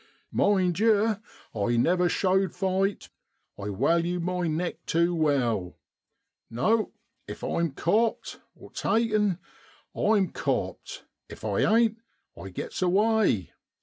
Mind yer, I never showed fight, I walue my neck tew well. No ! if I'm copt (taken), I'm copt, if I ain't I get's away.